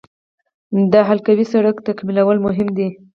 د حلقوي سړک تکمیلول مهم دي